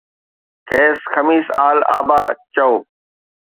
کيس خميس آل ابا چئو